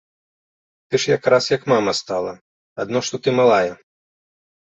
Ты ж якраз, як мама, стала, адно што ты малая.